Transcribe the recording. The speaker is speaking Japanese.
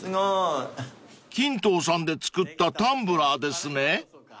［ＫＩＮＴＯさんで作ったタンブラーですね］